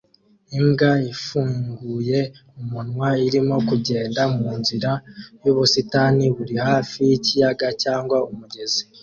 Imbwa ifunguye umunwa irimo kugenda munzira yubusitani buri hafi yikiyaga cyangwa umugezi